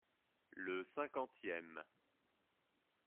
Le cinquantième.